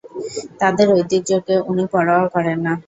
তাদের ঐতিহ্যকে উনি পরোয়াও করেন না।